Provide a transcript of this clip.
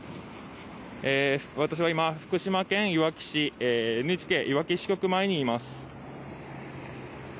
私は今、福島県いわき市、ＮＨＫいわき支局前にいます。